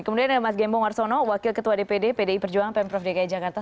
kemudian ada mas gembong warsono wakil ketua dpd pdi perjuangan pemprov dki jakarta